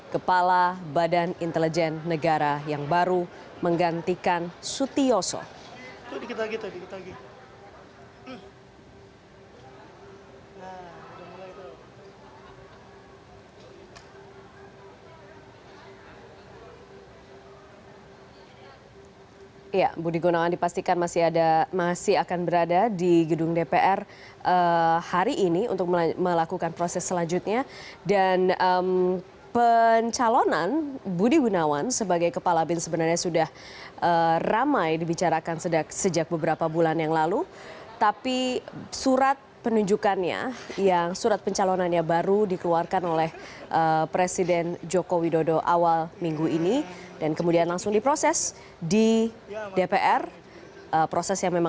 kepala badan intelijen negara yang baru menggantikan sutioso